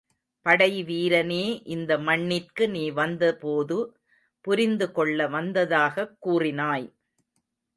படைவீரனே இந்த மண்ணிற்கு நீ வந்தபோது புரிந்துகொள்ள வந்ததாகக் கூறினாய்.